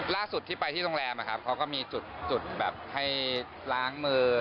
ล่าสุดที่ไปที่โรงแรมนะครับเขาก็มีจุดแบบให้ล้างมือ